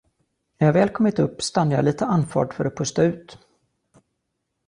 När jag väl kommit upp stannade jag litet andfådd för att pusta ut.